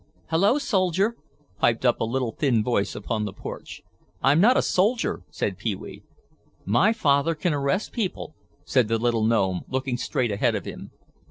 "Hello, soldier," piped up a little thin voice upon the porch. "I'm not a soldier," said Pee wee. "My father can arrest people," said the little gnome, looking straight ahead of him.